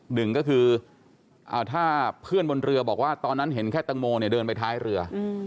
หนึ่งก็คือถ้าเพื่อนบนเรือบอกว่าตอนนั้นเห็นแค่แตงโมเนี่ยเดินไปท้ายเรือ